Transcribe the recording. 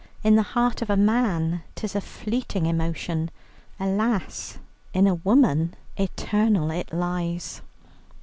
In the heart of a man 'tis a fleeting emotion; Alas, in a woman eternal it lies!"